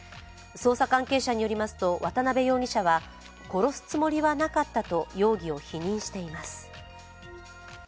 捜査関係者によりますと、渡辺容疑者は殺すつもりはなかったと容疑を否認しています。